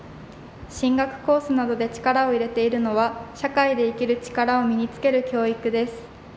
進学コースなどで力を入れているのは社会で生きる力を身につける教育です。